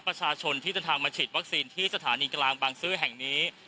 ประชาชนที่เดินทางมาฉีดวัคซีนที่สถานีกลางบางซื่อแห่งนี้